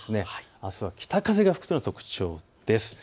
あすは北風が吹くというのが特徴です。